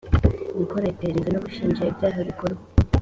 Gukora iperereza no gushinja ibyaha bikorwa